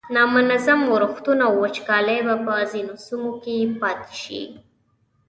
نامنظم ورښتونه او وچکالۍ به په ځینو سیمو کې زیاتې شي.